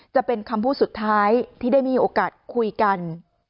จะเป็นคำพูดสุดท้ายที่ได้มีโอกาสคุยกัน